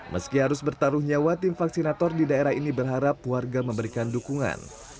meski harus bertaruh nyawa tim vaksinator di daerah ini berharap warga memberikan dukungan